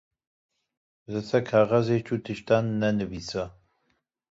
Li ser kaxizê çû tiştan ne nivîse.